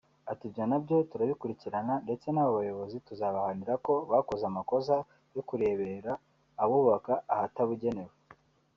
Ati “Ibyo nabyo turabikurikirana ndetse n’abo bayobozi tuzabahanira ko bakoze amakosa yo kurebera abubaka ahatabugenewe